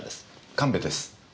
神戸です。